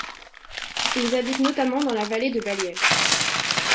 Ils habitent notamment dans la vallée de Baliem.